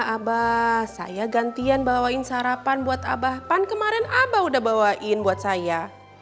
abah saya gantian bawain sarapan buat abah pan kemarin abah udah bawain buat saya